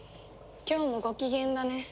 今日もご機嫌だね。